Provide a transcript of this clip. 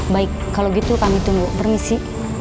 baik kalau gitu kami tunggu permisi